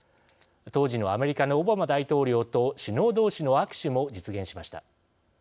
当時のアメリカのオバマ大統領と首脳どうしの握手も実現しました。